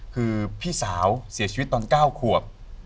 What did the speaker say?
คือพี่สาวเสียชีวิตตอน๙ขวบ